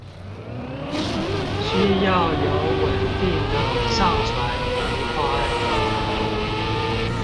需要有穩定的上傳頻寬